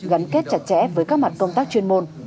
gắn kết chặt chẽ với các mặt công tác chuyên môn